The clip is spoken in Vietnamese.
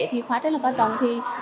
thì khóa rất là có trọng